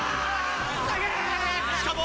しかも。